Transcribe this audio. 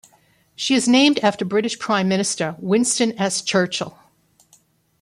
She is named after British Prime Minister Winston S. Churchill.